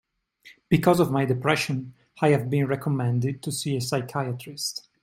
Because of my depression, I have been recommended to see a psychiatrist.